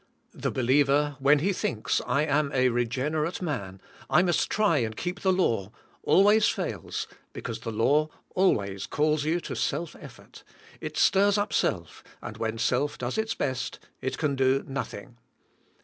The believer, when he thinks, I am a reg enerate man, I must try and keep the law, always fails, be cause the law always calls you to self effort; it stirs up self, and when self does its best it can do noth ing